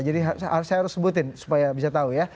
jadi saya harus sebutin supaya bisa tahu ya